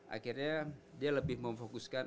akhirnya dia lebih memfokuskan